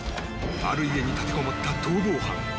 ある家に立てこもった逃亡犯。